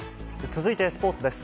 続いてスポーツです。